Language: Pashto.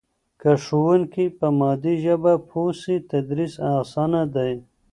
که ښوونکی په مادي ژبه پوه سي تدریس اسانه دی.